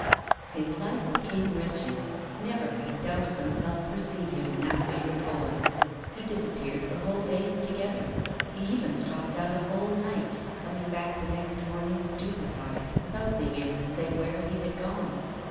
His life became wretched. Never had doubt of himself pursued him in that way before. He disappeared for whole days together; he even stopped out a whole night, coming back the next morning stupefied, without being able to say where he had gone.